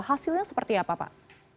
hasilnya seperti apa pak